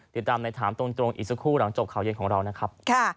ติดตามในถามตรงอีกสักครู่หลังจบข่าวเย็นของเรานะครับ